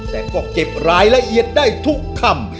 แต่ก็เก็บรายละเอียดได้ทุกคำ